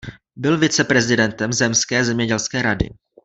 Byl viceprezidentem zemské zemědělské rady.